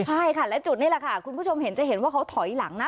ใช่ค่ะและจุดนี้แหละค่ะคุณผู้ชมเห็นจะเห็นว่าเขาถอยหลังนะ